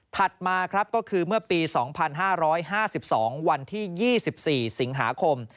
มาครับก็คือเมื่อปี๒๕๕๒วันที่๒๔สิงหาคม